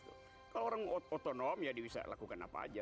kalau orang otonom ya bisa dilakukan apa saja